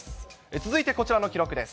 続いてこちらの記録です。